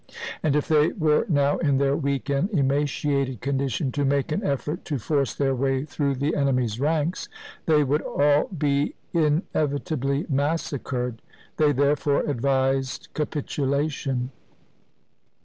And if they were now in their weak and emaciated condition to make an effort to force their way through the enemy's ranks, they would all be inevi tably massacred. They therefore advised capitulation.